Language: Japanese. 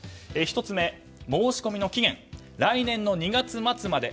１つ目、申し込みの期限来年の２月末まで。